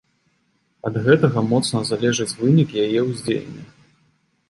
Ад гэтага моцна залежыць вынік яе ўздзеяння.